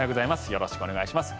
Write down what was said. よろしくお願いします。